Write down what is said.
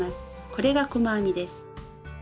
これが細編みです。